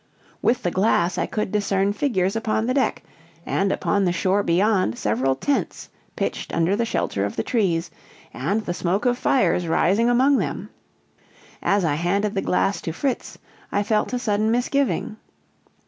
With the glass I could discern figures upon the deck, and upon the shore beyond several tents pitched under the shelter of the trees, and the smoke of fires rising among them. As I handed the glass to Fritz, I felt a sudden misgiving.